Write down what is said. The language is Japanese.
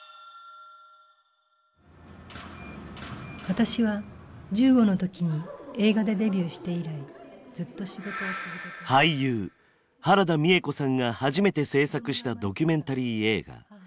私は１５の時に映画でデビューして以来俳優原田美枝子さんが初めて制作したドキュメンタリー映画「女優原田ヒサ子」。